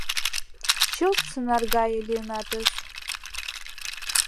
Чылт сонар гае лийынатыс.